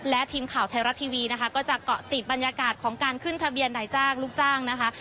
และทีมข่าวไทยรัฐทีวีนะคะก็จะเกาะติดบรรยากาศของการขึ้นทะเบียนนายจ้างลูกจ้างนะคะ